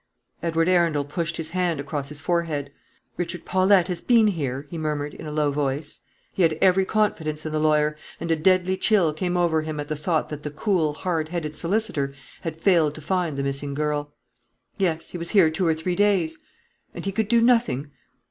Edward Arundel pushed his hand across his forehead. "Richard Paulette has been here?" he murmured, in a low voice. He had every confidence in the lawyer; and a deadly chill came over him at the thought that the cool, hard headed solicitor had failed to find the missing girl. "Yes; he was here two or three days." "And he could do nothing?"